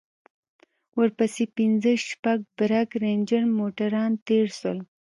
ورپسې پنځه شپږ برگ رېنجر موټران تېر سول.